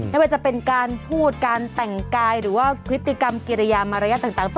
ไม่ว่าจะเป็นการพูดการแต่งกายหรือว่าพฤติกรรมกิริยามารยาทต่าง